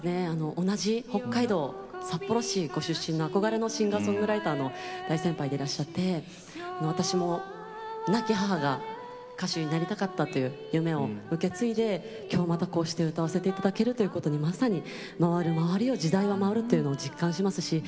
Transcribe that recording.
同じ北海道札幌市出身の憧れのシンガーソングライターの大先輩でいらっしゃって私も亡き母が歌手になりたかったという夢を受け継いで今日またこうして歌わせていただけるということでまさに回り回って時代は回るということを実感しています。